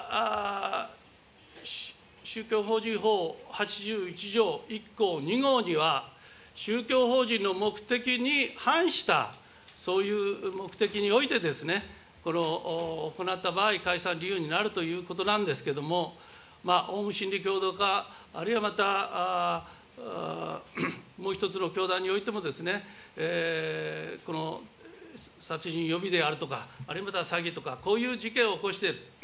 また宗教法人法８１条１項２には宗教法人の目的に反した、そういう目的において行った場合、解散理由になるということなんですけれども、オウム真理教とか、あるいはまたもう１つの教団においても、殺人予備であるとか、あるいはまた詐欺とか、こういう事件を起こしてる。